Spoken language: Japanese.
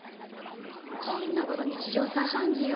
こんなこと日常茶飯事よ。